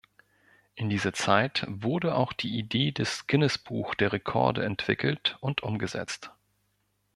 In dieser Zeit wurde auch die Idee des Guinness-Buch der Rekorde entwickelt und umgesetzt.